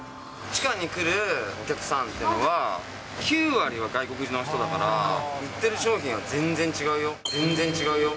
地下に来るお客さんっていうのは、９割が外国の人だから、売ってる商品も全然違うよ。